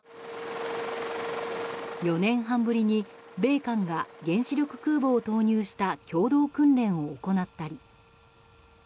４年半ぶりに米韓が原子力空母を投入した共同訓練を行ったり。